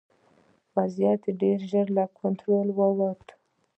وضعیت ډېر ژر له کنټروله ووت.